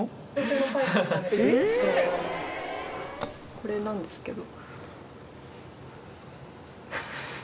これなんですけど。